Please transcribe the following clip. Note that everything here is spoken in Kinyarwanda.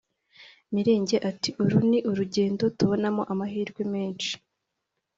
Mirenge ati “Uru ni urugendo tubonamo amahirwe menshi